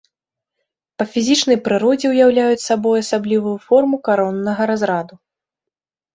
Па фізічнай прыродзе ўяўляюць сабой асаблівую форму кароннага разраду.